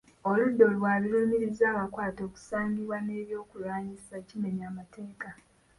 Oludda oluwaabi lulumiriza abakwate okusangibwa n’ebyokulwanyisa ekimenya amateeka.